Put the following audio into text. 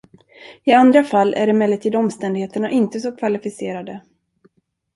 I andra fall är emellertid omständigheterna inte så kvalificerade.